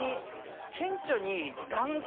顕著に。